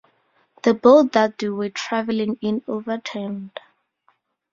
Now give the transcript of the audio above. The boat that they were traveling in overturned.